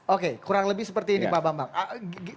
oke kurang lebih seperti ini pak bambang